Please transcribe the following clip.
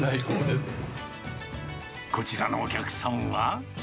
こちらのお客さんは。